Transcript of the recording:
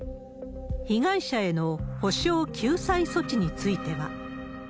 被害者への補償、救済措置については。